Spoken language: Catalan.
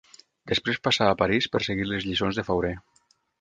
Després passà a París per seguir les lliçons de Fauré.